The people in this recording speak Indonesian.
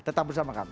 tetap bersama kami